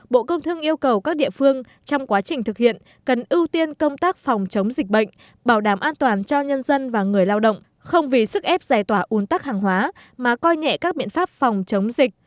bộ công thương yêu cầu các địa phương trong quá trình thực hiện cần ưu tiên công tác phòng chống dịch bệnh bảo đảm an toàn cho nhân dân và người lao động không vì sức ép giải tỏa uốn tắc hàng hóa mà coi nhẹ các biện pháp phòng chống dịch